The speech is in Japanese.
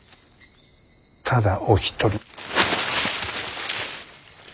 ただお一人。